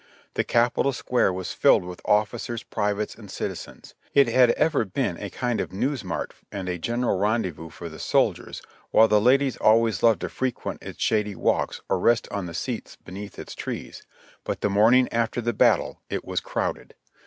The Capitol square was filled with officers, privates and citi zens; it had ever been a kind of news mart and a general rendez vous for the soldiers, while the ladies always loved to frequent its shady walks or rest on the seats beneath its trees, but the morning after the battle it was crowded.